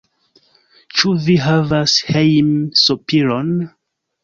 Ĉu vi havas hejmsopiron?